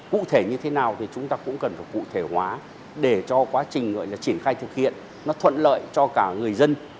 cụ thể như thế nào thì chúng ta cũng cần phải cụ thể hóa để cho quá trình gọi là triển khai thực hiện nó thuận lợi cho cả người dân